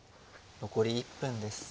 残り１分です。